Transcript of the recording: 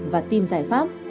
và tìm giải pháp